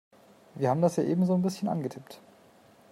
Wir haben das ja eben so'n bisschen angetippt.